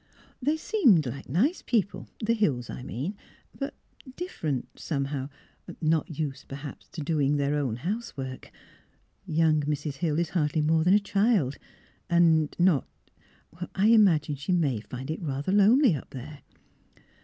*' They seemed like nice people — the Hills, I mean — but — different, somehow — not used, per haps, to doing their own housework. Young Mrs. Hill is hardly more than a child, and not — I imagine she may find it rather lonely up there.